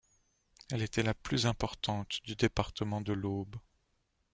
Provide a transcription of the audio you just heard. Elle était la plus importante du département de l'Aube.